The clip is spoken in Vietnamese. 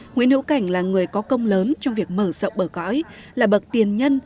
nguyễn hữu cảnh là người có công lớn trong việc mở rộng bờ cõi là bậc tiền nhân